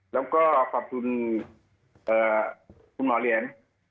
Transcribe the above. แล้วก็ขอบคุณคุณหมอเหรียญ